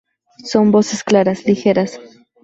Son voces claras, ligeras.